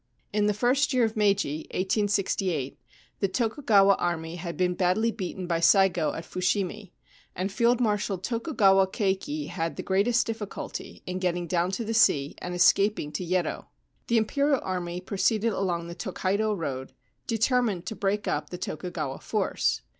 In the first year of Meiji 1868 the Tokugawa army had been badly beaten by Saigo at Fushimi, and Field Marshal Tokugawa Keiki had the greatest difficulty in getting down to the sea and escaping to Yedo. The Imperial army proceeded along the Tokaido road, determined to break up the Tokugawa force.